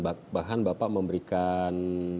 bahkan bapak memberikan